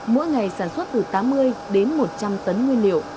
mỗi ngày sản xuất từ tám mươi đến một trăm linh tấn nguyên liệu